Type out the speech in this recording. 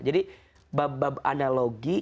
jadi bab bab analogi